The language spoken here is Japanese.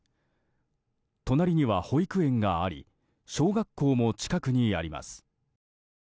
隣には保育園があり小学校も近くにあります。